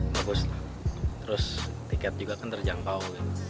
bagus terus tiket juga terjangkau